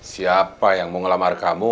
siapa yang mau ngelamar kamu